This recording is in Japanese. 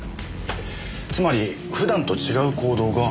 つまり普段と違う行動が２つ。